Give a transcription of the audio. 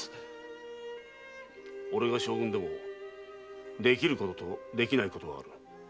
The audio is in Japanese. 俺が将軍でもできることとできないことがある。